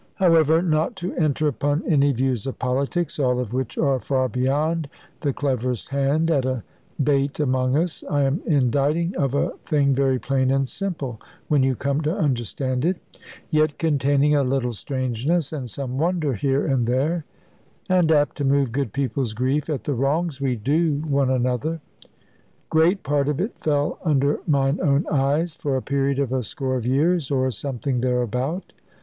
However, not to enter upon any view of politics all of which are far beyond the cleverest hand at a bait among us I am inditing of a thing very plain and simple, when you come to understand it; yet containing a little strangeness, and some wonder, here and there, and apt to move good people's grief at the wrongs we do one another. Great part of it fell under mine own eyes, for a period of a score of years, or something thereabout.